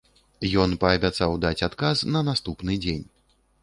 Ён паабяцаў даць адказ на наступны дзень.